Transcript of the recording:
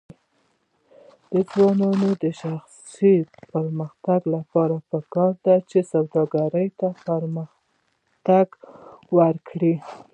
د ځوانانو د شخصي پرمختګ لپاره پکار ده چې سوداګري پرمختګ ورکړي.